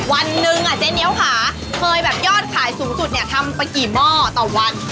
วันหนึ่งอ่ะเจ๊เหนียวค่ะเคยแบบยอดขายสูงสุดเนี่ยทำไปกี่หม้อต่อวัน